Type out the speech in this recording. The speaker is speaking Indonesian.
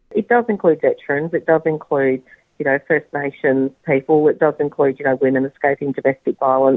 ini mengandungi detrin mengandungi